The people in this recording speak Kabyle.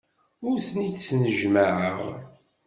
Ur ten-id-snejmaɛeɣ.